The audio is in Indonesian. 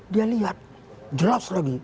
dia lihat jelas lagi